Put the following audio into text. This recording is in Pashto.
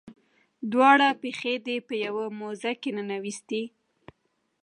دواړه پښې دې په یوه موزه کې ننویستې.